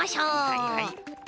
はいはい。